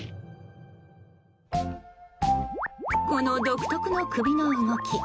この独特の首の動き。